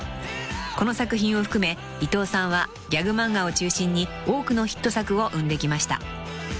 ［この作品を含め伊藤さんはギャグ漫画を中心に多くのヒット作を生んできました］